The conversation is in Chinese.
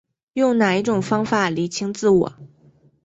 用哪一种方法厘清自我